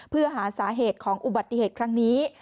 เพื่อหาสาเหตุของอุบัติเหตุครั้งนี้